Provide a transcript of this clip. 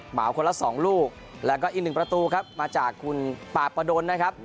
เหมาคนละ๒ลูกแล้วก็อีกหนึ่งประตูครับมาจากคุณปาประดนนะครับ